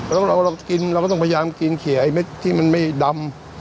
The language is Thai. แล้วเรากินเราก็ต้องพยายามกินเขียไอ้เม็ดที่มันไม่ดำ